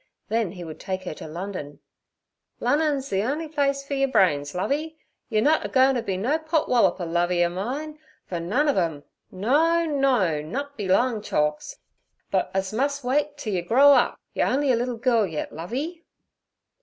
Then he would take her to London. 'Lunnon's ther on'y place fer your brains, Lovey. Yer nut a goin' t' be no potwolloper, Lovey ov mine, fer none ov 'em. No! no! nut be long chalks. But us must wait t' yer grow up—yer on'y a liddle girl yet, Lovey.'